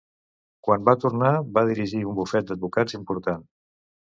Quan va tornar va dirigir un bufet d'advocats important.